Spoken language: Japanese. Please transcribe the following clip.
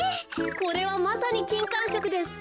これはまさにきんかんしょくです。